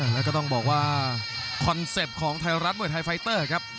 แล้วก็ต้องบอกว่าคอนเซ็ปต์ของไทยรัฐมวยไทยไฟเตอร์ครับ